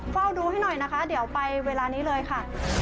เฝ้าดูให้หน่อยนะคะเดี๋ยวไปเวลานี้เลยค่ะ